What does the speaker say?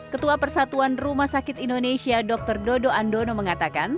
ketua persatuan rumah sakit indonesia dr dodo andono mengatakan